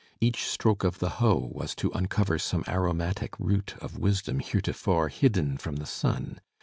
Each stroke of the hoe was to uncover some aromatic root of wisdom here tofore hidden from the sun.